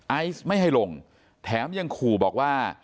ไอซ์ไม่ให้ลงแถมยังขู่บอกว่า